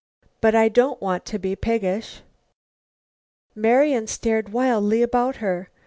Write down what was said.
But I don't want to be piggish." Marian stared wildly about her.